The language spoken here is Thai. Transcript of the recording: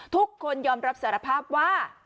ทุกคนยอมรับสารภาพว่า